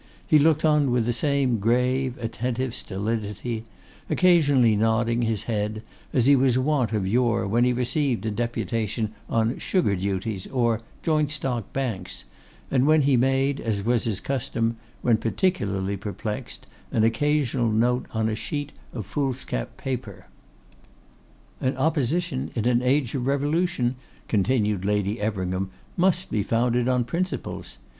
He looked on with the same grave, attentive stolidity, occasionally nodding his head, as he was wont of yore when he received a deputation on sugar duties or joint stock banks, and when he made, as was his custom when particularly perplexed, an occasional note on a sheet of foolscap paper. 'An Opposition in an age of revolution,' continued Lady Everingham, 'must be founded on principles.